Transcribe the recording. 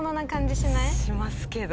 しますけど。